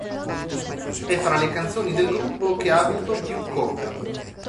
È fra le canzoni del gruppo che ha avuto più "cover".